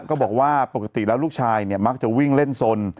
ก็บอกว่าปกติแล้วลูกชายเนี่ยมักจะวิ่งเล่นสน